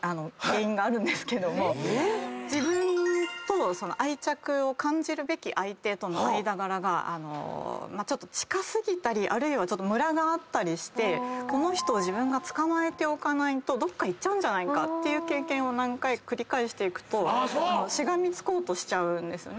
自分と愛着を感じるべき相手との間柄がちょっと近過ぎたりムラがあったりしてこの人自分がつかまえておかないとどっか行っちゃうんじゃないかという経験を何回か繰り返すとしがみつこうとしちゃうんですね。